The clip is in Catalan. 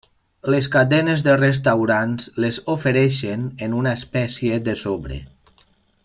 Les cadenes de restaurants les ofereixen en una espècie de sobre.